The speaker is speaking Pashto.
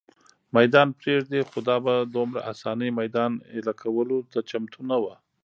مېدان پرېږدي، خو دا په دومره آسانۍ مېدان اېله کولو ته چمتو نه وه.